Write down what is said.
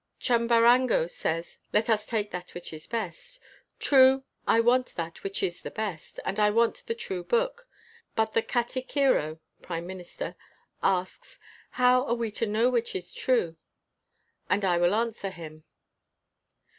Chambar ango says, 'Let us take that which is best.' True, I want that which is the best, and I want the true book ; but the katikiro [prime minister] asks, 'How are we to know which is true f ' And I will answer him.